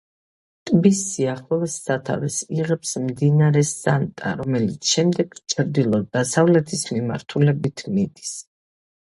ტბის სიახლოვეს, სათავეს იღებს მდინარე სანტა, რომელიც შემდეგ ჩრდილო-დასავლეთის მიმართულებით მიდის.